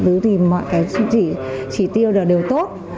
tứ tìm mọi cái chỉ tiêu đều tốt